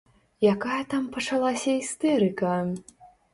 Якая там пачалася істэрыка!!!